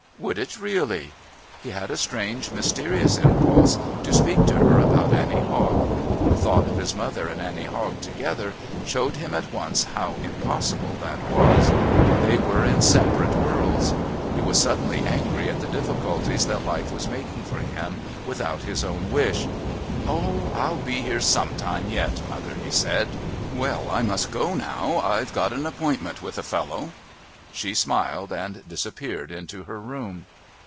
"Would it really?" He had a strange mysterious impulse to speak to her about Annie Hogg. The thought of his mother and Annie Hogg together showed him at once how impossible that was. They were in separate worlds. He was suddenly angry at the difficulties that life was making for him without his own wish. "Oh, I'll be here some time yet, mother," he said. "Well, I must get along now. I've got an appointment with a fellow." She smiled and disappeared into her room.